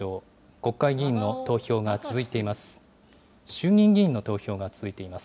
国会議員の投票が続いています。